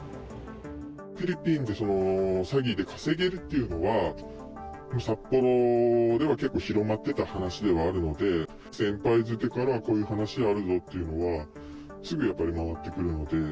フィリピンで詐欺で稼げるっていうのは、札幌では結構広まってた話ではあるので、先輩づてから、こういう話あるぞっていうのは、すぐやっぱり、回ってくるので。